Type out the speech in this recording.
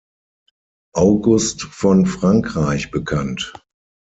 August von Frankreich bekannt.